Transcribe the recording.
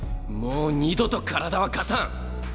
もう二度と体は貸さん。